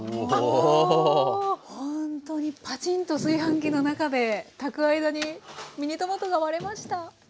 ほんとにパチンと炊飯器の中で炊く間にミニトマトが割れました。